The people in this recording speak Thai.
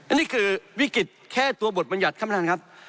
อันนี้คือวิกฤตแค่ตัวบทบรรยัติท่านประธานครับ